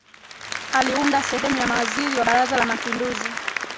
Aliunda sehemu ya mawaziri wa baraza la mapinduzi